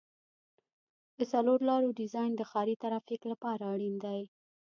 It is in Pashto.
د څلور لارو ډیزاین د ښاري ترافیک لپاره اړین دی